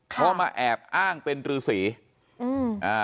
เพราะมาอาบอ้างเป็นฤาษีอือ